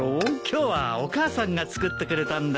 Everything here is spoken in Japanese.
今日はお母さんが作ってくれたんだよ。